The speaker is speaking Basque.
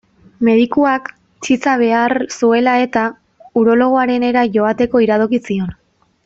Medikuak, txiza behar zuela-eta, urologoarenera joateko iradoki zion.